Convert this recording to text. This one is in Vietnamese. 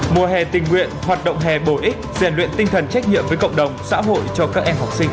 mùa hè tình nguyện hoạt động hè bổ ích rèn luyện tinh thần trách nhiệm với cộng đồng xã hội cho các em học sinh